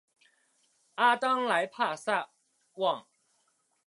阿当莱帕萨旺。